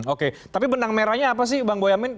oke tapi benang merahnya apa sih bang boyamin